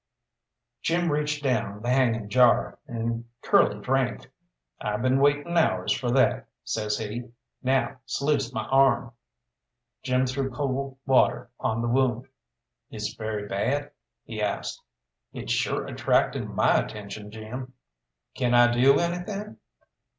Jim reached down the hanging jar, and Curly drank. "I been waiting hours for that," says he; "now sluice my arm." Jim threw cool water on the wound. "Is it very bad?" he asked. "It's sure attracting my attention, Jim." "Can I do anything?"